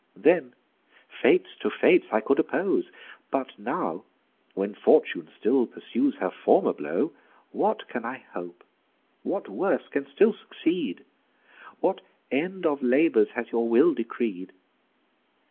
Then fates to fates I could oppose; but now, When Fortune still pursues her former blow, What can I hope? What worse can still succeed? What end of labours has your will decreed?